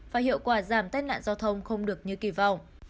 và hiệu quả giảm tai nạn giao thông không được như kỳ vọng